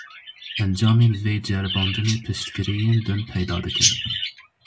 Encamên vê ceribandinê piştgiriyên din peyda dikin.